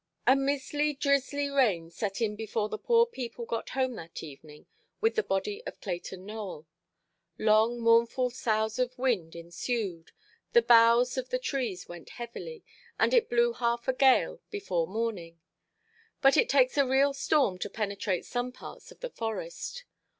A mizzly, drizzly rain set in before the poor people got home that evening with the body of Clayton Nowell. Long mournful soughs of wind ensued, the boughs of the trees went heavily, and it blew half a gale before morning; but it takes a real storm to penetrate some parts of the forest.